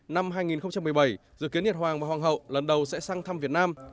năm hai nghìn một mươi bảy dự kiến nhật hoàng và hoàng hậu lần đầu sẽ sang thăm việt nam